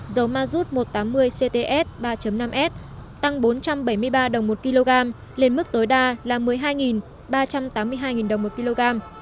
dầu mazut một trăm tám mươi cts ba năm s tăng bốn trăm bảy mươi ba đồng một kg lên mức tối đa là một mươi hai ba trăm tám mươi hai đồng một kg